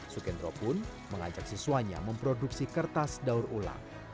sukendro pun mengajak siswanya memproduksi kertas daur ulang